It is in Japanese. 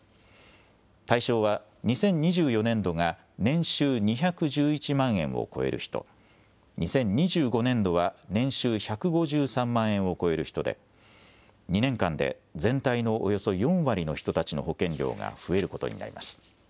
対象は、２０２４年度が年収２１１万円を超える人、２０２５年度は年収１５３万円を超える人で、２年間で全体のおよそ４割の人たちの保険料が増えることになります。